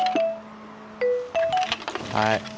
はい。